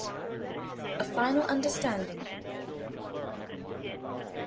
A Final Understanding.